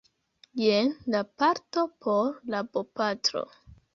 Jen la parto por la bopatro